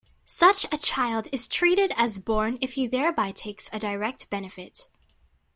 Such a child is treated as born if he thereby takes a direct benefit.